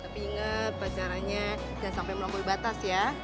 tapi inget pacaranya jangan sampai melonggol batas ya